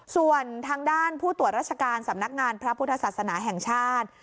ส่วนทางด้านผู้ตรวจราชการสำนักงานพระพุทธศาสนาแห่งชาติ